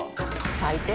最低。